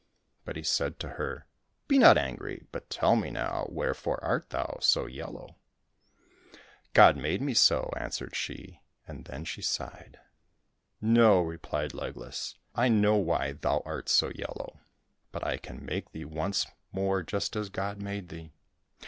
But he said to her, " Be not angry, but tell me, now, wherefore art thou so yellow .?"" God made me so," answered she, and then she sighed. " No," replied Legless. " I know why thou art so yellow. But I can make thee once more just as God made thee."